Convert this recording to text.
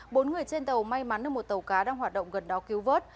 bốn người trên tàu may mắn được một tàu cá đang hoạt động gần đó cứu vớt